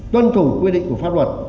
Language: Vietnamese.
tuân thủ quy định của pháp luật